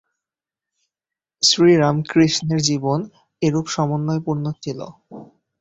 শ্রীরামকৃষ্ণের জীবন এরূপ সমন্বয়পূর্ণ ছিল।